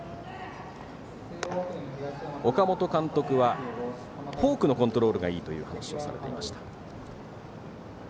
岡本監督は、フォークのコントロールがいいという話をされていました。